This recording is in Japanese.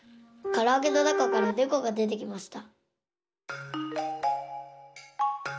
からあげのなかからねこがでてきました。